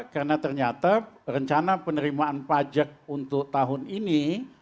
karena ternyata rencana penerimaan pajak untuk tahun ini